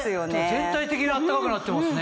全体的に暖かくなってますね。